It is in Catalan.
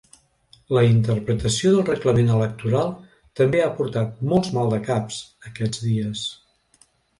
La interpretació del reglament electoral també ha portat molts maldecaps, aquests dies.